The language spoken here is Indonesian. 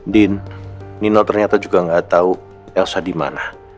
din nino ternyata juga gak tau elsa dimana